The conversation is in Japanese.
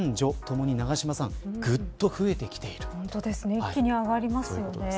一気に上がりますよね。